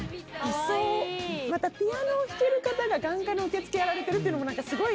またピアノを弾ける方が眼科の受付やられてるっていうのもなんかすごい。